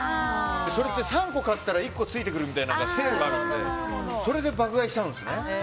それって３個買ったら１個ついてくるみたいなセールがあるのでそれで爆買いしちゃうんです。